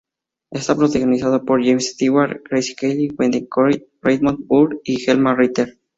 Está protagonizada por James Stewart, Grace Kelly, Wendell Corey, Raymond Burr y Thelma Ritter.